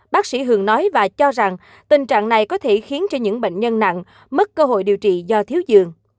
bác sĩ hường nói và cho rằng tình trạng này có thể khiến cho những bệnh nhân nặng mất cơ hội điều trị do thiếu giường